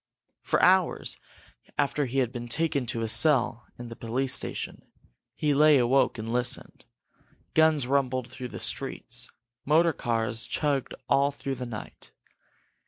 For hours, after he had been taken to a cell in the central police station, he lay awake and listened. Guns rumbled through the streets, motor cars chugged all through the night.